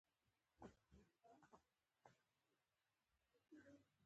د کور ګټه د لاهور ګټه متل د وطن مینه ښيي